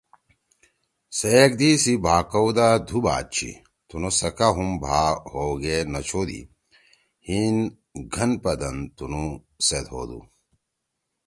ہے ایگ دئی سی بھاکؤ دا دُھو بات چھی، تُنُو سکا ہُم بھا ہؤ گے نہ چھودی! ہیِن گھن پدن تُنُو سیت ہودُو۔